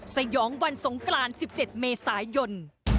สยองวันสงกราน๑๗เมษายน